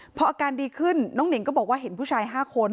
พออาการดีขึ้นน้องหนิงก็บอกว่าเห็นผู้ชาย๕คน